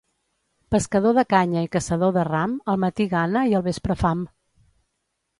Pescador de canya i caçador de ram, al matí gana i al vespre fam.